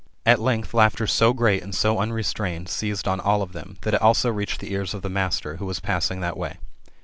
At length laughter so great and so unrestrained seized on all of them, that it also reached the ears of the master, who was passing that way.